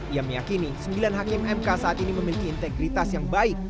ia meyakini sembilan hakim mk saat ini memiliki integritas yang baik